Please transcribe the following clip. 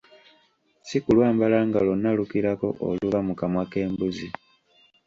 Si kulwambala nga lwonna lukirako oluva mu kamwa k'embuzi !